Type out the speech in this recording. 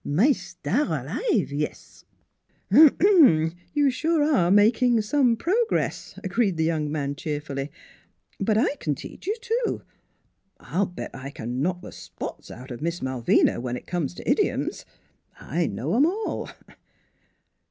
my star alive, yes I "" You sure are making some progress," agreed the young man cheerfully. " But I can teach you, too. I'll bet I can knock the spots out of Miss Malvina, when it comes to idioms. I know 'em all."